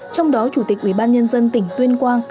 trong đó chủ tịch ubnd tỉnh tuyên quang